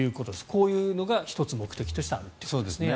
こういうのが１つ、目的としてあるということですね。